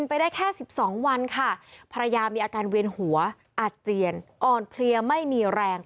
ภรรยามีอาการเวียนหัวอาจเจียนอ่อนเพลียไม่มีแรง